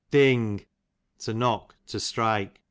Ding, to knock, to strike.